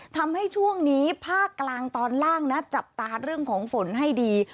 ทำให้ช่วงนี้ภาคกลางตอนล่างนะจับตาเรื่องของฝนให้ดี